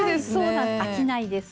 飽きないです。